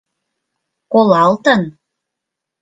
— Колалтын...